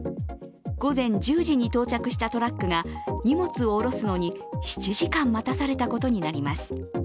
午前１０時に到着したトラックが荷物を下ろすのに７時間待たされたことになります。